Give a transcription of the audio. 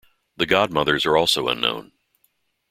The godmothers are also unknown.